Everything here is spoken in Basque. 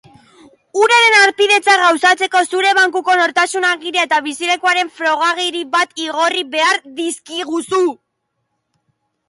Uraren harpidetza gauzatzeko zure Bankuko Nortasun Agiria eta bizilekuaren frogagiri bat igorri behar dizkiguzu.